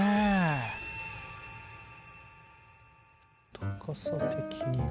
高さ的には。